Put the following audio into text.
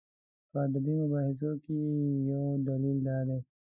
په ادبي مباحثو کې یې یو دلیل دا دی.